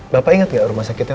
bapak ingat nggak rumah sakitnya